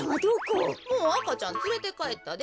もうあかちゃんつれてかえったで。